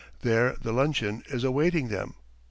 ... There the luncheon is awaiting them.